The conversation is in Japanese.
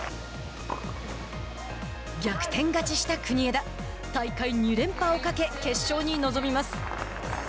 逆転勝ちした国枝大会２連覇をかけ決勝に臨みます。